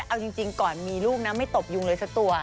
เอาจริงก่อนมีลูกนะไม่ตบยุงเลยสักตัว